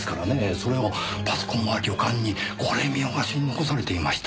それをパソコンは旅館にこれ見よがしに残されていました。